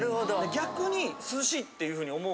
逆に涼しいっていうふうに思う。